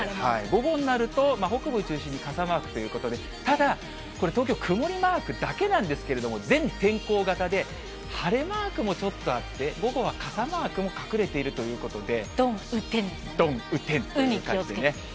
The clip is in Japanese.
午後になると北部を中心に傘マークということで、ただ、東京、曇りマークだけなんですけど、全天候型で、晴れマークもちょっとあって、午後は傘マークも隠れているということで。